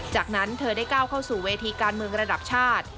จากนั้นเธอได้ก้าวเข้าสู่เวทีการเมืองระดับชาติ